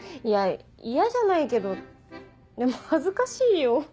いや嫌じゃないけどでも恥ずかしいよ。